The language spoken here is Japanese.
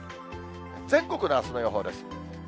全国のあすの予報です。